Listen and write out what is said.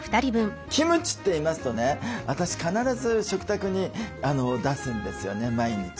キムチっていいますとね私必ず食卓に出すんですよね毎日。